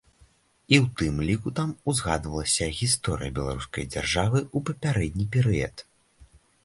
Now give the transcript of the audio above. І ў тым ліку там узгадавалася гісторыя беларускай дзяржавы ў папярэдні перыяд.